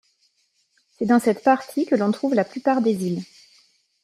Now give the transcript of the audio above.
C'est dans cette partie que l'on trouve la plupart des îles.